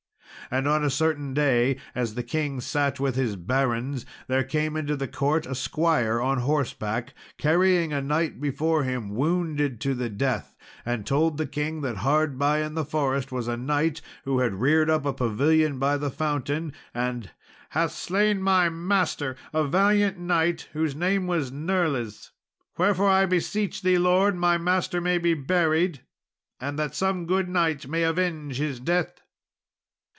And on a certain day, as the king sat with his barons, there came into the court a squire on horseback, carrying a knight before him wounded to the death, and told the king that hard by in the forest was a knight who had reared up a pavilion by the fountain, "and hath slain my master, a valiant knight, whose name was Nirles; wherefore I beseech thee, Lord, my master may be buried, and that some good knight may avenge his death."